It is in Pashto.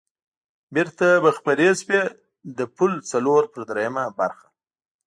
بېرته به خپرې شوې، د پل څلور پر درېمه برخه.